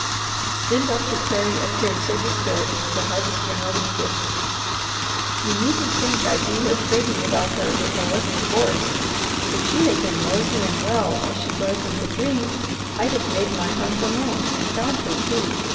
Then Doctor Carey appeared so disturbed the Harvester noticed it. "You needn't think I'd be here prating about her if I wasn't FORCED. If she had been rosy and well as she was in the dream, I'd have made my hunt alone and found her, too.